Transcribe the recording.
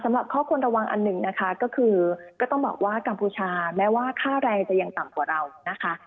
สำหรับข้อควรระวังอันหนึ่งนะคะก็คือก็ต้องบอกว่ากัมพูชาแม้ว่าค่าแรงจะยังต่ำกว่าเรานะคะ